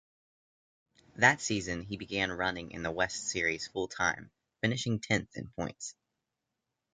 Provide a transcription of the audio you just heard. That season, he began running in the West Series full-time, finishing tenth in points.